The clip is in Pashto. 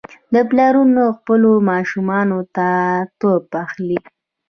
پلارونه خپلو ماشومانو ته توپ اخلي.